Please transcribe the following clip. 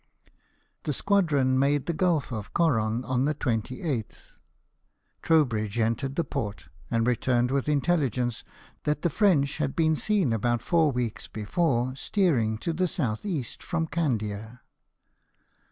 The squadron made the Gulf of Coron on the 28th. Trowbridge entered the port, and returned with intelligence that the French had been seen about four weeks before steering to the S.E., from Candia.